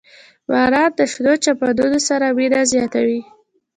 • باران د شنو چمنونو سره مینه زیاتوي.